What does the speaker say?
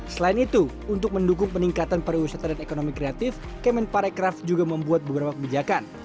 selain itu untuk mendukung peningkatan pariwisata dan ekonomi kreatif kemen parekraf juga membuat beberapa kebijakan